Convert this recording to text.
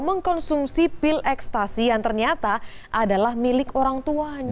mengkonsumsi pil ekstasi yang ternyata adalah milik orang tuanya